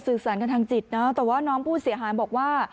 สารกันทางจิตนะแต่ว่าน้องผู้เสียหายบอกว่า